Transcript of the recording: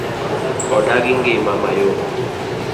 Odagi ng'ima ma yom.